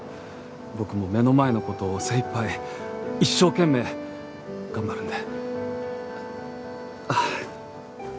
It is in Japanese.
僕も目の前の事を精いっぱい一生懸命頑張るんで。